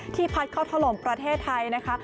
พัดเข้าถล่มประเทศไทยนะคะ